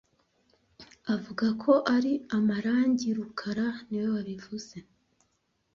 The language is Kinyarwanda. Avuga ko ari amarangi rukara niwe wabivuze